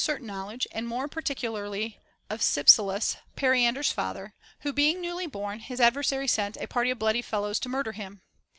certain knowledge, and more particularly of Cypselus, Pe riander's father, who being newly born, his adversary sent a party of bloody fellows to murder him.